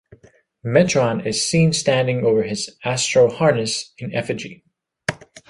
Metron is seen standing over his astro-harness in effigy.